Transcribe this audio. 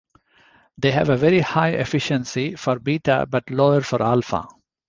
They have a high efficiency for beta, but lower for alpha.